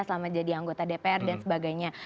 selama jadi anggota dpr dan sebagainya